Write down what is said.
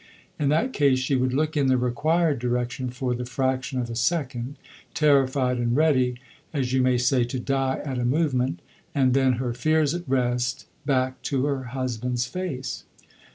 In that case she would look in the required direction for the fraction of a second, terrified and ready, as you may say, to die at a movement, and then, her fears at rest, back to her husband's face.